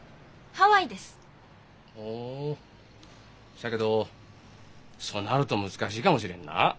そやけどそうなると難しいかもしれんな。